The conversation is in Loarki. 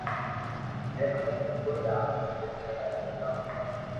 ھي ھمج ۾ ڪوئي آ وتو ڪي اپي ڪاو ڪرو